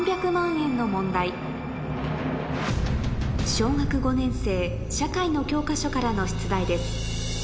小学５年生社会の教科書からの出題です